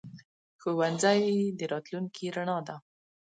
ښوونځی د راتلونکي رڼا ده.